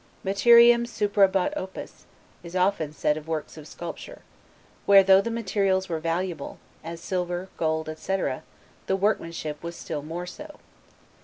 'Materiam superabat opus', is often said of works of sculpture; where though the materials were valuable, as silver, gold, etc., the workmanship was still more so.